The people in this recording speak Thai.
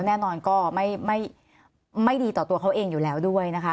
แน่นอนก็ไม่ดีต่อตัวเขาเองอยู่แล้วด้วยนะคะ